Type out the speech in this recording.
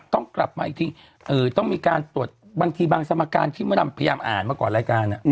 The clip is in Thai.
ต้องกลับมาอีกทีต้องมีการตรวจบางทีบางสมการที่มดำพยายามอ่านมาก่อนรายการ